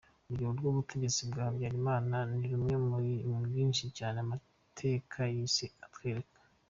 Urugero rw’ubutegetsi bwa Habyarimana ni rumwe muri nyinshi cyane amateka y’isi atwereka.